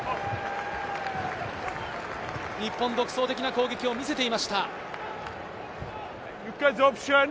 日本独創的な攻撃を見せていました。